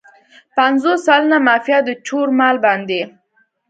پنځوس سلنه مافیا د چور مال باندې.